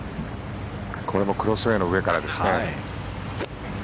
これもクロスウェーの上からですね。